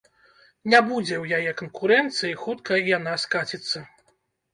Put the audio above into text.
Не будзе ў яе канкурэнцыі, хутка і яна скаціцца.